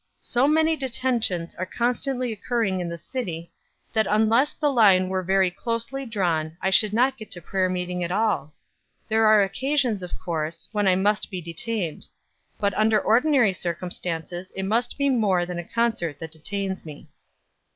So many detentions are constantly occurring in the city, that unless the line were very closely drawn I should not get to prayer meeting at all. There are occasions, of course, when I must be detained; but under ordinary circumstances it must be more than a concert that detains me."